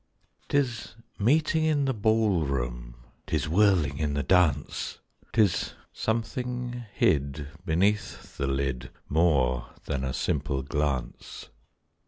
'Tis meeting in the ball room, 'Tis whirling in the dance; 'Tis something hid beneath the lid More than a simple glance.